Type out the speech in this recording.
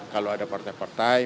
kalau ada partai